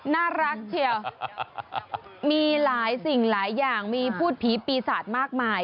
น่ารักเชียวมีหลายสิ่งหลายอย่างมีพูดผีปีศาจมากมาย